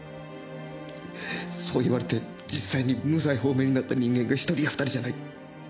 そう言われて実際に無罪放免になった人間が１人や２人じゃない。